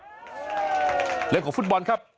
เรื่องของฟุตบอลครับ